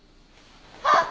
あっ！